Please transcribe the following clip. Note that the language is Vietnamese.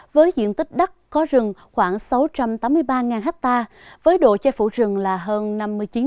với diện tích đất có rừng khoảng sáu trăm tám mươi ba ha với độ chai phủ rừng là hơn năm mươi chín